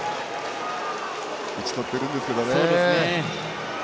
打ちとってるんですけどね。